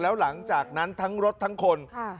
แล้วหลังจากนั้นทั้งรถทั้งคน